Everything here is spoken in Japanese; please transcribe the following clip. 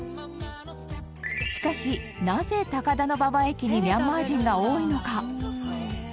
しかし、なぜ高田馬場駅にミャンマー人が多いのか？